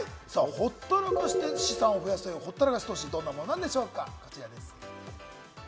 ほったらかしで資産を増やすというほったらかし投資、どんなものなんでしょうか？